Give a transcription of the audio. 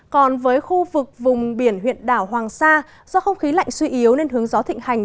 còn với khu vực vùng biển huyện đảo hoàng sa do không khí lạnh suy yếu nên hướng gió thịnh hành